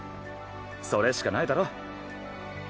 それしかないだろ？